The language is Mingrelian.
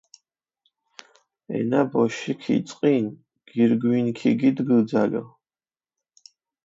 ენა ბოშიქ იწყინჷ, გირგვინი ქიგიდგჷ ძალო.